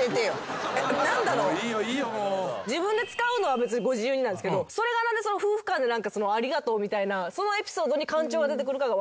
自分で使うのは別にご自由になんですけどそれが何で夫婦間でありがとうみたいなそのエピソードにかん腸が出てくるかが分からない。